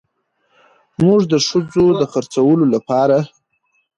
موږ د ښځو د خرڅولو لپاره